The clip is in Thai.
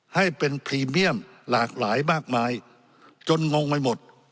ให้เป็นพรีเมียมหลากหลายมากมายจนงงไปหมด